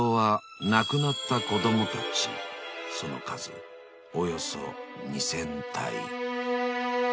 ［その数およそ２，０００体］